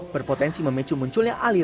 berpotensi memicu munculnya aliran